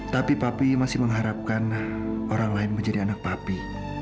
tapi papi masih mengharapkan orang lain menjadi anak papi